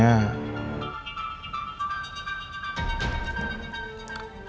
berjalan ke sini